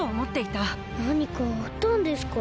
なにかあったんですか？